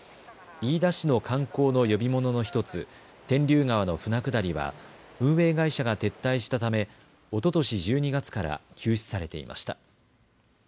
飯田市の観光の呼び物の１つ、天竜川の舟下りは運営会社が撤退したためおととし１２月から休止されていました。